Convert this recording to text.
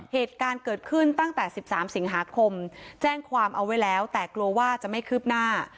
เหตุการณ์เกิดขึ้นตั้งแต่๑๓สิงหาคมแจ้งความเอาไว้แล้วแต่กลัวว่าจะไม่คืบหน้า